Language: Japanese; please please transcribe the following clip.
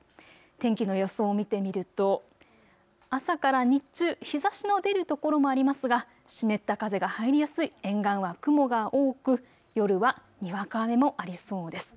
天気の予想を見てみると朝から日中、日ざしの出る所もありますが湿った風が入りやすい沿岸は雲が多く夜はにわか雨もありそうです。